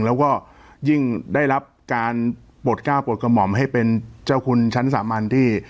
แล้วก็ยิ่งได้รับการโปรดก้าวปลดกระหม่อมให้เป็นเจ้าคุณชั้นสามัญที่